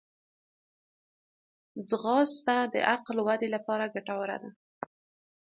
ځغاسته د عقل ودې لپاره ګټوره ده